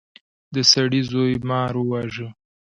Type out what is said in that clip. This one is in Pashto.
د سړي زوی مار وواژه.